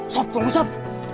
sob tunggu sob